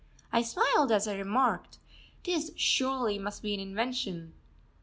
] I smiled as I remarked: "This surely must be an invention."